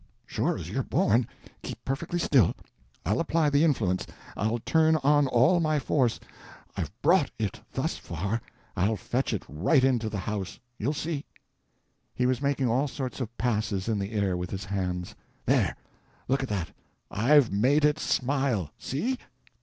"Sure as you're born. Keep perfectly still. I'll apply the influence—I'll turn on all my force. I've brought It thus far—I'll fetch It right into the house. You'll see." He was making all sorts of passes in the air with his hands. "There! Look at that. I've made It smile! See?"